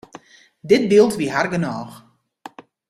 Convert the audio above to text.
Dit byld wie har genôch.